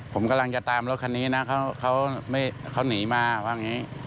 ผมกำลังจะตามรถคันนี้นะเขาหนีมาว่าอย่างนี้